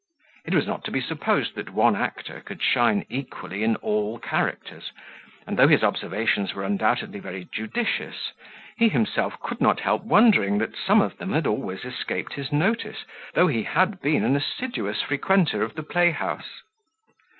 It was not to be supposed that one actor could shine equally in all characters; and though his observations were undoubtedly very judicious, he himself could not help wondering that some of them had always escaped his notice, though he had been an assiduous frequenter of the playhouse.